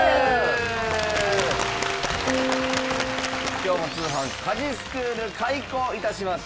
今日も通販☆家事スクール開校致します。